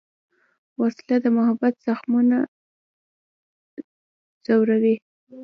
وسله د محبت زخمونه ژوروي